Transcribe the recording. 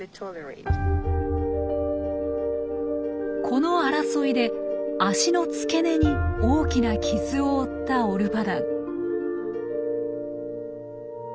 この争いで脚の付け根に大きな傷を負ったオルパダン。